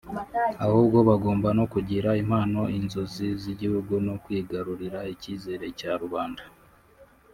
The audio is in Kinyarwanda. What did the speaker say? ahubwo bagomba no kugira impamo inzozi z’igihugu no kwigarurira icyizere cya rubanda